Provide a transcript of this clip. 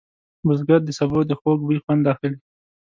بزګر د سبو د خوږ بوی خوند اخلي